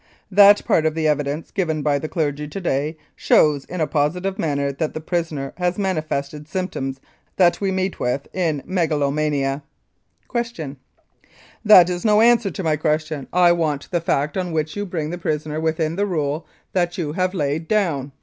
That part of the evidence given by the clergy to day shows in a positive manner that the prisoner has manifested symptoms that we meet with in megalomania. Q. That is no answer to my question. I want the fact 218 Louis Riel: Executed for Treason on which you bring* the prisoner within the rule that you have laid down.